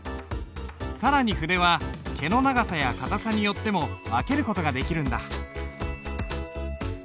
更に筆は毛の長さや硬さによっても分ける事ができるんだ。